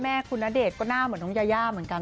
แม่คุณณเดชน์ก็หน้าเหมือนน้องยายาเหมือนกัน